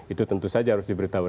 itu tentu saja harus diberitahuan